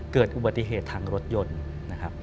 เกิดอุบัติเหตุทางรถยนต์